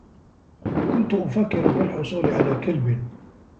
كنت أفكر في الحصول على كلب.